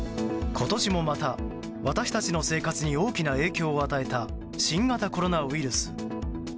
今年もまた私たちの生活に大きな影響を与えた新型コロナウイルス。